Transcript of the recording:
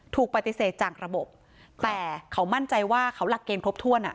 ถูกปฏิเสธจากระบบแต่เขามั่นใจว่าเขาหลักเกณฑ์ครบถ้วนอ่ะ